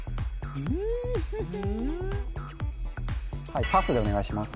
うんはいパスでお願いします